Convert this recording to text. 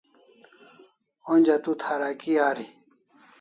Onja tu tharaki ari